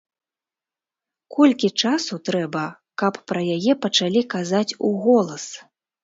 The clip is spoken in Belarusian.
Колькі часу трэба, каб пра яе пачалі казаць уголас?